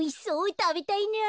たべたいなあ。